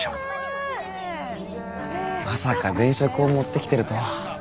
まさか電飾を持ってきてるとは。